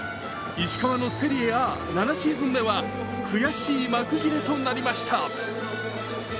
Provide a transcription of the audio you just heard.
石川のセリエＡ７シーズン目は悔しい幕切れとなりました。